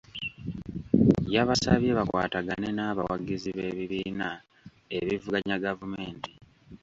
Yabasabye bakwatagane n'abawagizi b'ebibiina ebivuganya gavumenti.